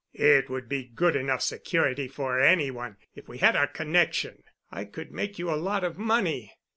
"It would be good enough security for any one if we had our connection. I could make you a lot of money."